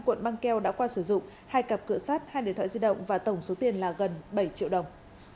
hai cun băng keo đã qua sử dụng hai cặp cửa sát hai điện thoại di động và tổng số tiền là gần bảy triệu đồng